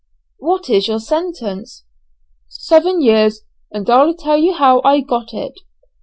"What is your sentence?" "Seven years, and I'll tell you how I got it.